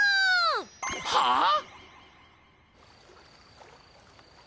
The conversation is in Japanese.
はあ！？